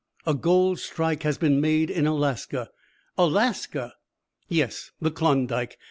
"A gold strike has been made in Alaska " "Alaska!" "Yes! The Klondike.